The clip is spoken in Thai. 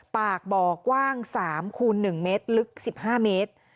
ปากบ่อกว้าง๓คูณ๑เมตรลึก๑๕เมตร